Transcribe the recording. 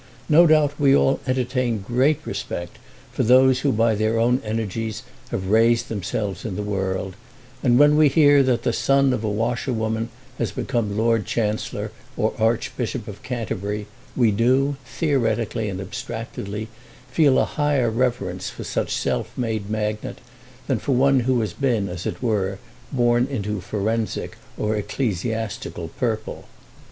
No doubt we all entertain great respect for those who by their own energies have raised themselves in the world; and when we hear that the son of a washerwoman has become Lord Chancellor or Archbishop of Canterbury we do, theoretically and abstractedly, feel a higher reverence for such self made magnate than for one who has been as it were born into forensic or ecclesiastical purple.